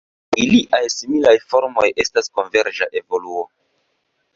Iliaj similaj formoj estas konverĝa evoluo.